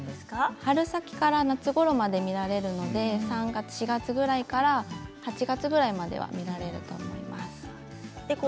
春先から夏ごろまで見られるのと３月４月から８月ぐらいまでは見られると思います。